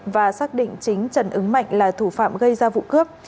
và xác định chính trần ứng mạnh là thủ phạm gây ra vụ cướp